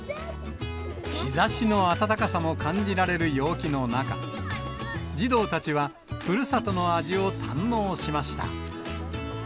日ざしの暖かさも感じられる陽気の中、児童たちはふるさとの味を堪能しました。